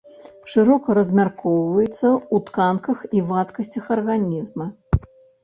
Шырока размяркоўваецца ў тканках і вадкасцях арганізма.